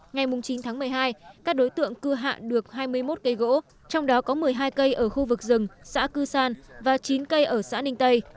ngày chín tháng một mươi hai các đối tượng cưa hạ được hai mươi một cây gỗ trong đó có một mươi hai cây ở khu vực rừng xã cư san và chín cây ở xã ninh tây